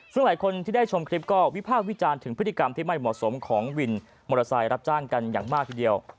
ซึ่งหลายคนที่ได้ชมคลิปก็วิพากษ์วิจารณ์ถึงพฤติกรรมที่ไม่เหมาะสมของวินมอเตอร์ไซค์รับจ้างกันอย่างมากทีเดียว